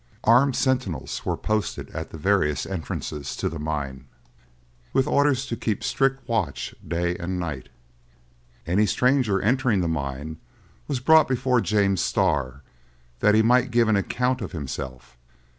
Armed sentinels were posted at the various entrances to the mine, with orders to keep strict watch day and night. Any stranger entering the mine was brought before James Starr, that he might give an account of himself.